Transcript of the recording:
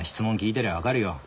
てりゃ分かるよ。